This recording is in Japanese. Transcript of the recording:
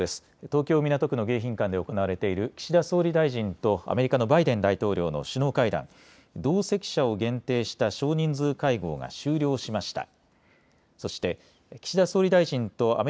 東京港区の迎賓館で行われている岸田総理大臣とアメリカのバイデン大統領の首脳会談、同席者を限定した少人数会合が終了しました。